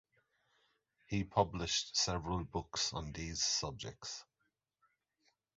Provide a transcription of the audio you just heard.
He published several books on these subjects.